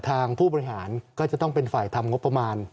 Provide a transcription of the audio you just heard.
ผู้บริหารก็จะต้องเป็นฝ่ายทำงบประมาณ